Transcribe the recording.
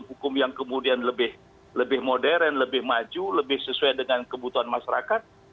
hukum yang kemudian lebih modern lebih maju lebih sesuai dengan kebutuhan masyarakat